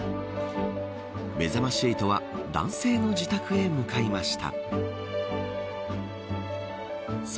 めざまし８は男性の自宅へ向かいました。